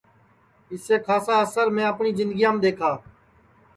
اِسے کھاسا اسر میں اپٹؔی جِندگیام دؔیکھا